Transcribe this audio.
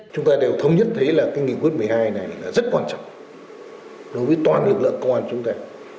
chúng ta đều thống nhất thấy là cái nghị quyết một mươi hai này là rất quan trọng đối với toàn lực lượng công an chúng ta